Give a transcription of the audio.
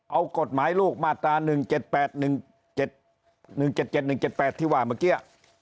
เอากฎหมายลูกมาตรา๑๗๘๑๗๑๗๗๑๗๘ที่ว่าเมื่อกี้